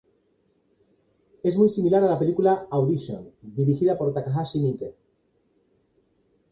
Es muy similar a la película "Audition", dirigida por Takashi Miike.